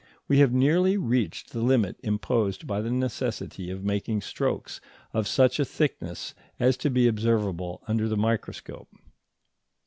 We have nearly reached the limit imposed by the necessity of making strokes of such a thickness as to be observable under the microscope.